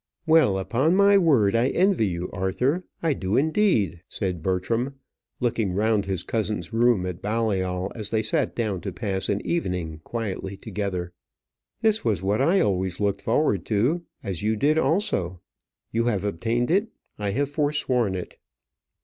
"Well, upon my word, I envy you, Arthur; I do, indeed," said Bertram, looking round his cousin's room at Balliol as they sat down to pass an evening quietly together. "This was what I always looked forward to, as you did also; you have obtained it, I have forsworn it."